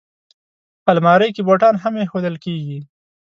الماري کې بوټان هم ایښودل کېږي